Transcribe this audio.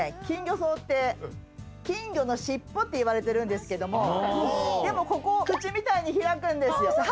金魚草って金魚の尻尾っていわれてるんですけどもでもここ口みたいに開くんですよ。